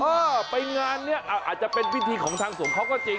เป็นคนผมชอบนะอ้อไปงานเนี่ยอาจจะเป็นวิธีของทางสงฆ์เขาก็จริง